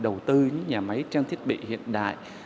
đầu tư những nhà máy trang thiết bị hiện đại